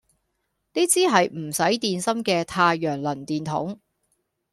呢支係唔使電芯嘅太陽能電筒